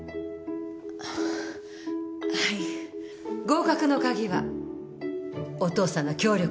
合格の鍵はお父さんの協力です。